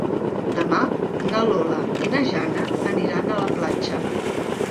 Demà na Lola i na Jana aniran a la platja.